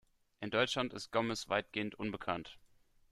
In Deutschland ist Gomez weitgehend unbekannt.